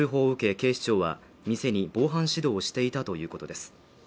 警視庁は、店に防犯指導をしていたということです。